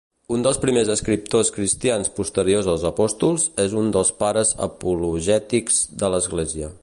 Un dels primers escriptors cristians posteriors als apòstols, és un dels pares apologètics de l'Església.